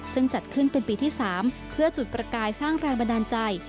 ซึ่งจัดขึ้นเป็นปีที่๓เพื่อจุดประกายสร้างแรงบันดาลใจ